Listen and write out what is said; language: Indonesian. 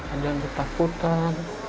ada yang ketakutan